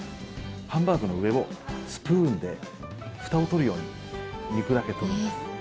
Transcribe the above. ハンバーグの上をスプーンで、ふたを取るように肉だけ取るんです。